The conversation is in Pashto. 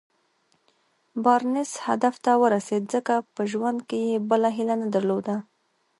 بارنس هدف ته ورسېد ځکه په ژوند کې يې بله هيله نه درلوده.